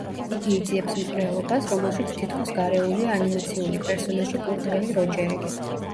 იგი იძიებს მკვლელობას, რომელშიც თითქოს გარეულია ანიმაციური პერსონაჟი კურდღელი როჯერი.